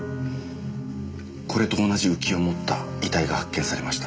これと同じ浮きを持った遺体が発見されました。